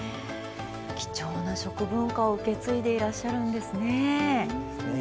貴重な食文化を受け継いでらっしゃるんですね。